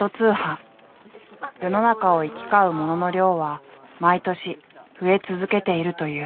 世の中を行き交う物の量は毎年増え続けているという。